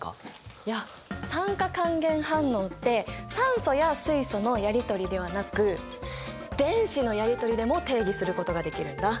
いや酸化還元反応って酸素や水素のやりとりではなく電子のやりとりでも定義することができるんだ。